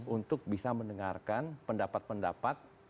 untuk bisa mendengarkan pendapat pendapat